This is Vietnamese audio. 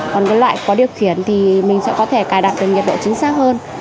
còn với loại có điều khiển thì mình sẽ có thể cài đặt được nhiệt độ chính xác hơn